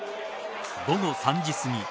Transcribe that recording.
午後３時すぎ